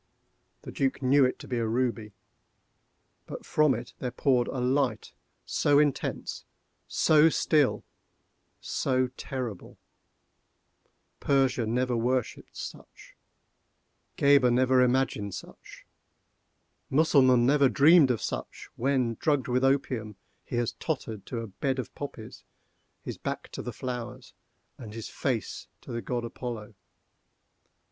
The Duc knew it to be a ruby; but from it there poured a light so intense, so still, so terrible, Persia never worshipped such—Gheber never imagined such—Mussulman never dreamed of such when, drugged with opium, he has tottered to a bed of poppies, his back to the flowers, and his face to the God Apollo.